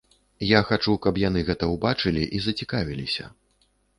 Я хачу, каб яны гэта ўбачылі і зацікавіліся.